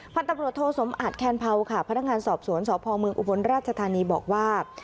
พันตำรวจโทรสมอาจแคลนเภาค่ะพนักงานสอบสวนสพมอุพราชธานีบอกว่า